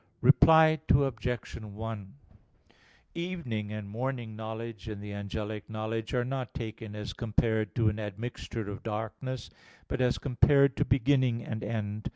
Reply Obj. 1: Evening and morning knowledge in the angelic knowledge are not taken as compared to an admixture of darkness, but as compared to beginning and end.